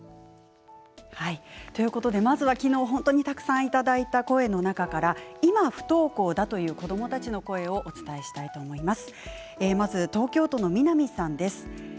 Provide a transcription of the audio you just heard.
まずは昨日たくさんいただいた声の中から今、不登校だという子どもたちの声をお伝えします。